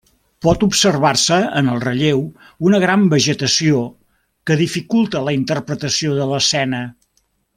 Pot observar-se en el relleu una gran vegetació, que dificulta la interpretació de l'escena.